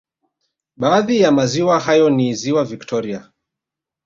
Baadhi ya maziwa hayo ni ziwa Victoria